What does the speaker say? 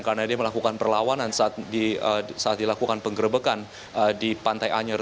karena dia melakukan perlawanan saat dilakukan penggerebekan di pantai anyer